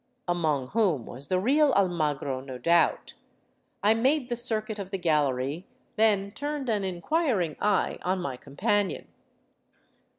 Among whom was the real Almagro, no doubt. I made the circuit of the gallery, then turned an inquiring eye on my companion.